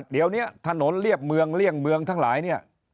เดี๋ยวนี้ถนนเรียบเมืองเลี่ยงเมืองทั้งหลายเนี่ย